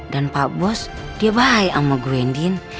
dan pak bos dia bahaya sama guein din